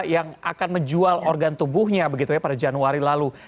yang akan menjual organ tubuhnya begitu ya pada januari lalu